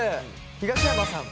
東山さん。